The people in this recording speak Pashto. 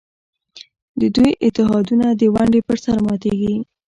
د دوی اتحادونه د ونډې پر سر ماتېږي.